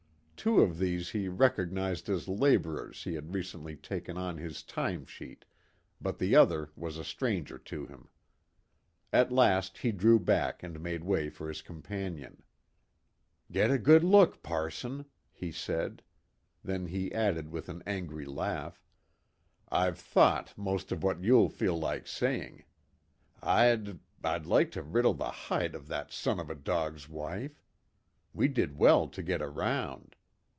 Two of these he recognized as laborers he had recently taken on his "time sheet," but the other was a stranger to him. At last he drew back and made way for his companion. "Get a good look, parson," he said. Then he added with an angry laugh, "I've thought most of what you'll feel like saying. I'd I'd like to riddle the hide of that son of a dog's wife. We did well to get around.